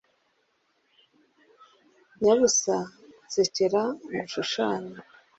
nyabusa nsekera ngushushanye